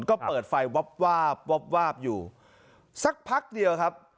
ก็เปิดไฟวับวาบวับวาบอยู่สักพักเดียวครับ